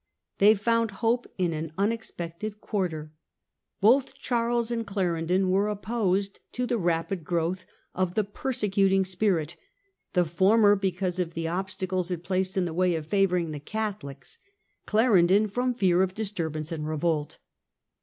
They found hope in an unexpected quarter. Both Charles and Clarendon were opposed to the rapid growth of the persecuting spirit, the former because of the obstacles it placed in the way of favouring the Catholics, 1 66a. 99 The Act of Uniformity . Clarendon from fear of disturbance and revolt.